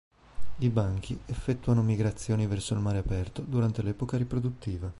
I banchi effettuano migrazioni verso il mare aperto durante l'epoca riproduttiva.